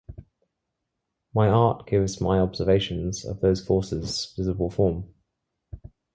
My art gives my observations of those forces visible form.